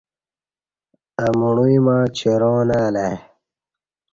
آو مݨوعی مع چِراں نہ الہ ای